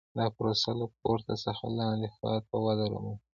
دا پروسه له پورته څخه لاندې خوا ته وده رامنځته کړي